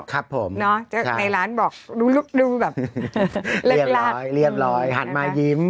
ครับผมเนาะในร้านบอกดูแบบเรียบร้อยเรียบร้อยหันมายิ้ม